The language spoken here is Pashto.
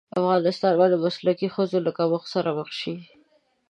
افغانستان به د مسلکي ښځو له کمښت سره مخ شي.